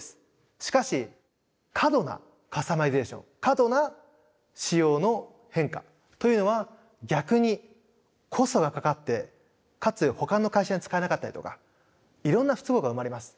しかし過度なカスタマイゼーション過度な仕様の変化というのは逆にコストがかかってかつほかの会社で使えなかったりとかいろんな不都合が生まれます。